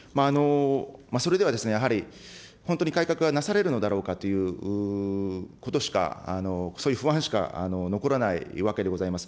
それではやはり、本当に改革がなされるのだろうかということしか、そういう不安しか残らないわけでございます。